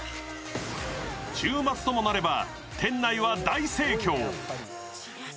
週末ともなれば店内は大盛況。